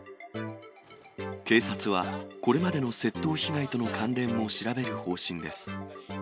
警察は、これまでの窃盗被害との関連も調べる方針です。